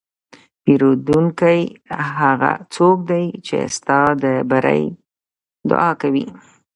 پیرودونکی هغه څوک دی چې ستا د بری دعا کوي.